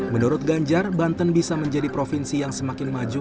menurut ganjar banten bisa menjadi provinsi yang semakin maju